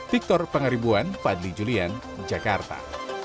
victor pangaribuan fadli julian jakarta